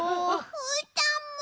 うーたんも。